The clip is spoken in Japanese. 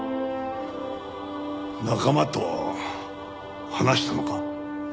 仲間とは話したのか？